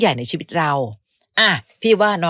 การใช้ชีวิตคู่ไม่มีใครสมบูรณ์แบบนะแม้แต่เรา